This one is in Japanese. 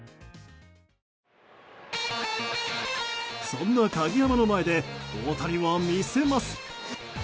そんな鍵山の前で大谷は魅せます。